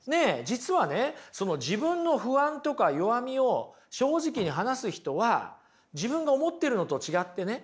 実はねその自分の不安とか弱みを正直に話す人は自分が思ってるのと違ってね